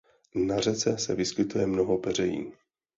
Na řece se vyskytuje mnoho peřejí.